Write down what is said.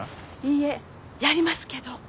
いいえやりますけど。